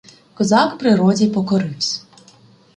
Козак природі покоривсь.